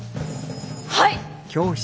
はい！